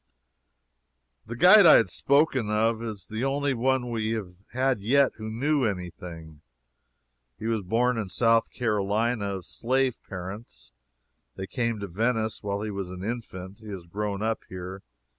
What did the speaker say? The guide I have spoken of is the only one we have had yet who knew any thing. He was born in South Carolina, of slave parents. They came to Venice while he was an infant. He has grown up here.